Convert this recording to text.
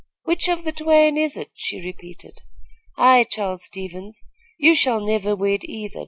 "Which of the twain is it?" she repeated. "Aye, Charles Stevens, you shall never wed either.